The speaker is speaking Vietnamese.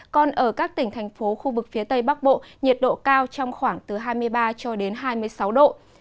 còn ở các tỉnh thành phố khu vực phía tây bắc bộ nhiệt độ cao trong khoảng từ hai mươi ba cho đến hai mươi sáu độ